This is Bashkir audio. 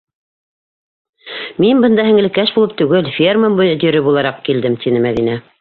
Мин бында һеңлекәш булып түгел, ферма мөдире булараҡ килдем, - тине Мәҙинә.